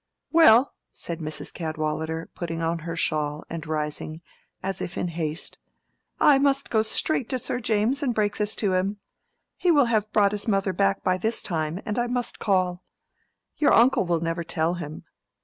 "Well," said Mrs. Cadwallader, putting on her shawl, and rising, as if in haste, "I must go straight to Sir James and break this to him. He will have brought his mother back by this time, and I must call. Your uncle will never tell him.